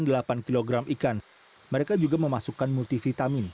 dari delapan kilogram ikan mereka juga memasukkan multivitamin